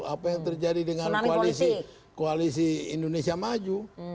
apa yang terjadi dengan koalisi indonesia maju